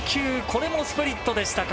これもスプリットでした。